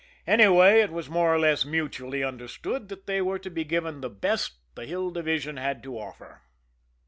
Anyway, it was more or less mutually understood that they were to be given the best the Hill Division had to offer.